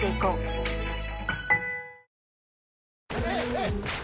はい！